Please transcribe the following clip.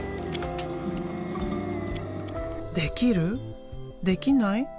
「できる？できない？